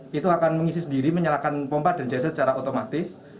pintu akan mengisi sendiri menyalakan pompa dan jasa secara otomatis